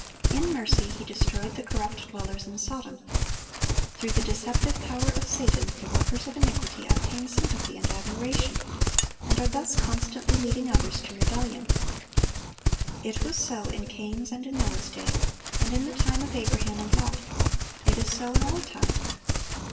In mercy, He destroyed the corrupt dwellers in Sodom. Through the deceptive power of Satan, the workers of iniquity obtain sympathy and admiration, and are thus constantly leading others to rebellion. It was so in Cain's and in Noah's day, and in the time of Abraham and Lot; it is so in our time.